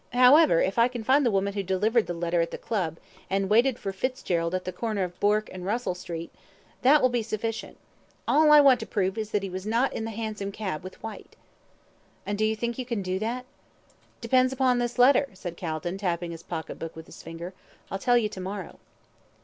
However, if I can find the woman who delivered the letter at the Club, and who waited for Fitzgerald at the corner of Bourke and Russell Streets, that will be sufficient. All I want to prove is that he was not in the hansom cab with Whyte." "And do you think you can do that?" "Depends upon this letter," said Calton, tapping his pocket book with his finger. "I'll tell you to morrow."